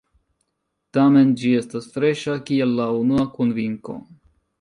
Tamen ĝi estas freŝa kiel la unua konvinko.